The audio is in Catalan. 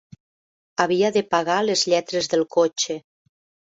Havia de pagar les lletres del cotxe.